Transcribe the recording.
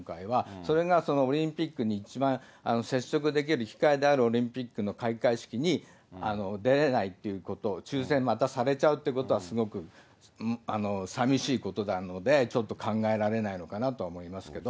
それがオリンピックに一番接触できる機会であるオリンピックの開会式に出れないっていうこと、抽せんまたされちゃうということは、すごく寂しいことなので、ちょっと考えられないのかなと思いますけど。